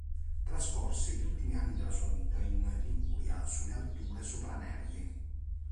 Trascorse gli ultimi anni della sua vita in Liguria, sulle alture sopra Nervi.